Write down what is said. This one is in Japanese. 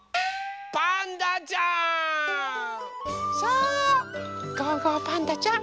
あパンダちゃん！